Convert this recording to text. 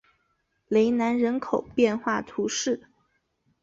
雷南人口变化图示